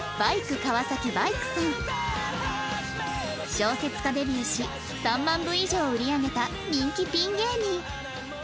小説家デビューし３万部以上売り上げた人気ピン芸人